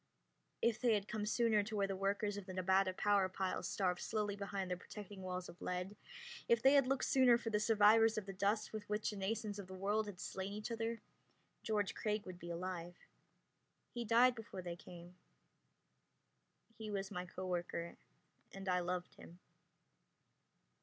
If they had come sooner to where the workers of the Nevada power pile starved slowly behind their protecting walls of lead if they had looked sooner for survivors of the dust with which the nations of the world had slain each other George Craig would be alive. He died before they came. He was my co worker, and I loved him.